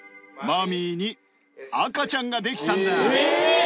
マミーに赤ちゃんが出来たんだ。